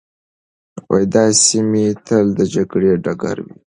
دا سیمي تل د جګړې ډګر وې.